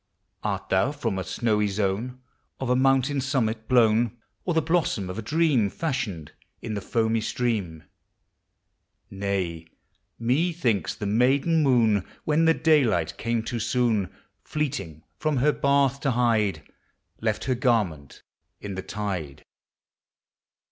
Art thou from the snowy zone Of a mountain summit blown, Or the blossom of a dream, Fashioned in the foamy stream? TREES: FLOWERS: PLANTS. 281 Nay, — methinks the maiden moon, When the daylight came too soon. Fleeting from her hath to hide, Left her garment in the tide.